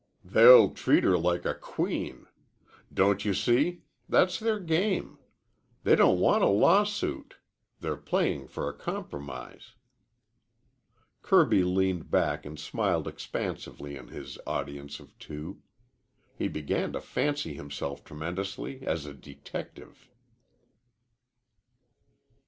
"They'll treat her like a queen. Don't you see? That's their game. They don't want a lawsuit. They're playin' for a compromise." Kirby leaned back and smiled expansively on his audience of two. He began to fancy himself tremendously as a detective.